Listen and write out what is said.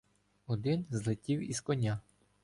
Один злетів із коня.